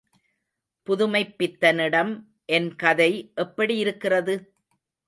புதுமைப்பித்தனிடம் என் கதை எப்படி இருக்கிறது?